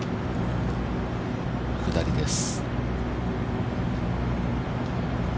下りです。